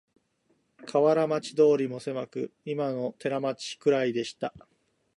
河原町通もせまく、いまの寺町くらいでした